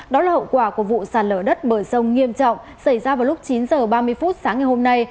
đó là hậu quả của vụ sạt lở đất bờ sông nghiêm trọng xảy ra vào lúc chín h ba mươi phút sáng ngày hôm nay